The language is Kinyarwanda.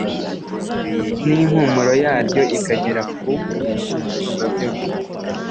n’impumuro yaryo ikagera ku Umusumbabyose.